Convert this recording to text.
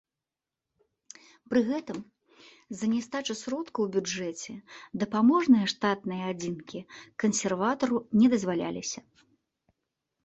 Пры гэтым, з-за нястачы сродкаў у бюджэце, дапаможныя штатныя адзінкі кансерватару не дазваляліся.